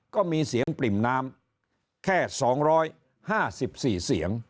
ก็มีเสียงปริ่มน้ำแค่๒๕๔เสียง